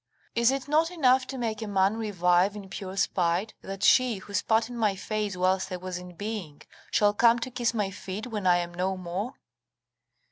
Is it not enough to make a man revive in pure spite, that she, who spat in my face whilst I was in being, shall come to kiss my feet when I am no more?